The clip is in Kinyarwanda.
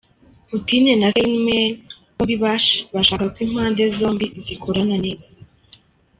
Putin na Steinmeier bombi bashaka ko impande zombi zikorana neza.